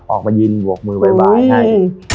ออกมายืนบวกมือบ่ายให้